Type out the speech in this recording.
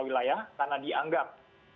wilayah karena dianggap